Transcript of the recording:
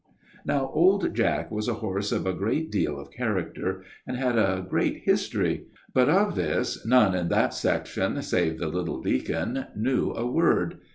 Now, old Jack was a horse of a great deal of character, and had a great history; but of this none in that section, save the little deacon, knew a word.